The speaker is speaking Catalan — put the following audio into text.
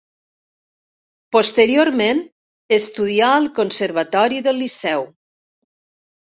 Posteriorment estudià al Conservatori del Liceu.